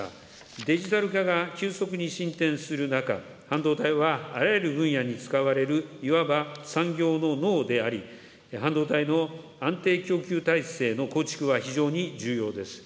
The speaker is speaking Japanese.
デジタル化が急速に進展する中、半導体はあらゆる分野に使われる、いわば産業の脳であり、半導体の安定供給体制の構築は非常に重要です。